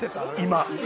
今。